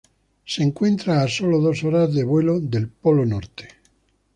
Se encuentra a sólo dos horas de vuelo del Polo Norte.